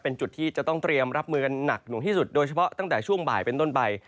เป็นจุดที่จะต้องเตรียมรับมือกันหนักหน่วงที่สุดโดยเฉพาะตั้งแต่ช่วงบ่ายเป็นต้นไป